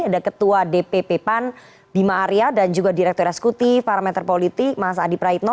ada ketua dpp pan bima arya dan juga direktur eksekutif parameter politik mas adi praitno